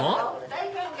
大歓迎！